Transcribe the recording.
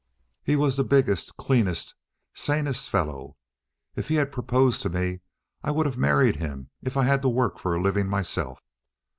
"He was the biggest, cleanest, sanest fellow. If he had proposed to me I would have married him if I had had to work for a living myself."